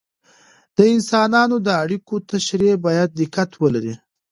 د انسانانو د اړیکو تشریح باید دقت ولري.